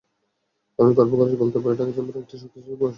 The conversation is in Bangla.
আমি গর্ব করে বলতে পারি, ঢাকা চেম্বারে একটি শক্তিশালী গবেষণা সেল আছে।